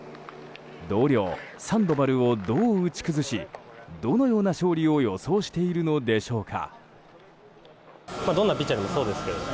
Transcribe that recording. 同僚サンドバルをどう打ち崩しどのような勝利を予想しているのでしょうか。